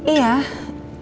nanti aku datang